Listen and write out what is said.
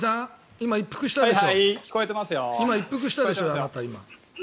今、一服したでしょう。